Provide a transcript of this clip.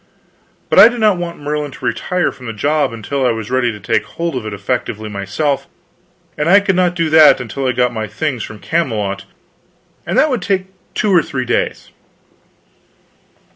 But I did not want Merlin to retire from the job until I was ready to take hold of it effectively myself; and I could not do that until I got my things from Camelot, and that would take two or three days.